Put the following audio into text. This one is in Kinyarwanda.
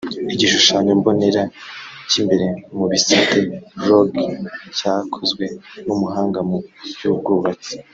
Igishushanyo mbonera cy’imbere muri Bisate Lodge cyakozwe n’umuhanga mu by’ubwubatsi